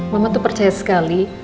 mama tuh percaya sekali